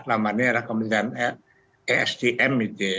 namanya rekomendasi esdm gitu ya